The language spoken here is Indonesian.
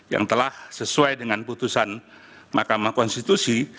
yang telah sesuai dengan putusan mahkamah konstitusi